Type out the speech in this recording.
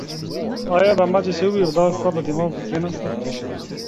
His family also fled to Bolivia and lived there.